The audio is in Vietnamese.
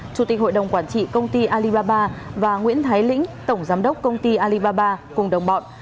chủ tịch hội đồng quản trị công ty alibaba và nguyễn thái lĩnh tổng giám đốc công ty alibaba cùng đồng bọn